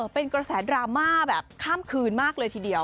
เป็นกระแสดราม่าแบบข้ามคืนมากเลยทีเดียว